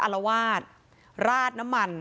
อารวาสราดน้ำมัน